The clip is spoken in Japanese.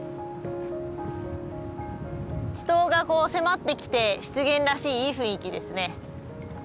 池塘が迫ってきて湿原らしいいい雰囲気ですね。